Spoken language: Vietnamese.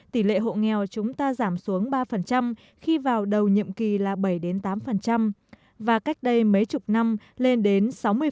tỷ lệ hộ nghèo chúng ta giảm xuống ba khi vào đầu nhiệm kỳ là bảy tám và cách đây mấy chục năm lên đến sáu mươi